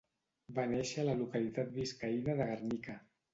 Va néixer a la localitat biscaïna de Guernica.